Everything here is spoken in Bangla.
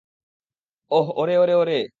ওহ, ওরে, ওরে, ওরে।